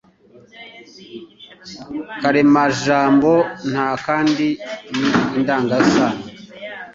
karemajambo nta kandi ni indangasano